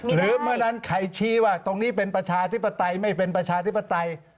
เมื่อนั้นใครชี้ว่าตรงนี้เป็นประชาธิปไตยไม่เป็นประชาธิปไตย